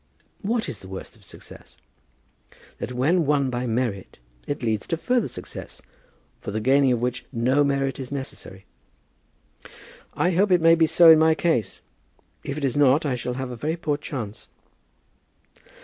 "What is the worst of success?" "That when won by merit it leads to further success, for the gaining of which no merit is necessary." "I hope it may be so in my case. If it is not I shall have a very poor chance.